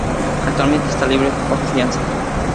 Actualmente está libre bajo fianza.